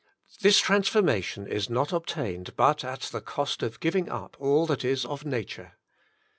This transformation is not obtained but at the cost of giving up all that is of nature.